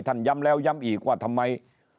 ย้ำแล้วย้ำอีกว่าทำไม